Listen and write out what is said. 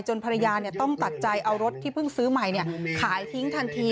ภรรยาต้องตัดใจเอารถที่เพิ่งซื้อใหม่ขายทิ้งทันที